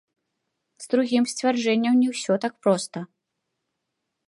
З другім сцвярджэннем не ўсё так проста.